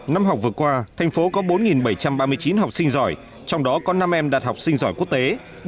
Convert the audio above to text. năm học vừa qua thành phố có bốn bảy trăm ba mươi chín học sinh giỏi trong đó có năm em đạt học sinh giỏi quốc tế